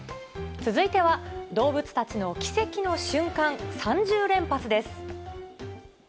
続いては、動物たちのキセキの瞬間３０連発です。